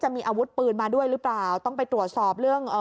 มีอาวุธปืนมาด้วยหรือเปล่าต้องไปตรวจสอบเรื่องเอ่อ